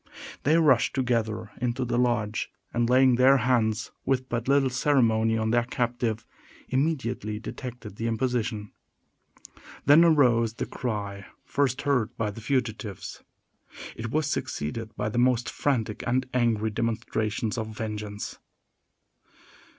They rushed together into the lodge, and, laying their hands, with but little ceremony, on their captive, immediately detected the imposition. Then arose the cry first heard by the fugitives. It was succeeded by the most frantic and angry demonstrations of vengeance.